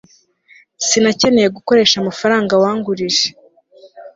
sinakeneye gukoresha amafaranga wangurije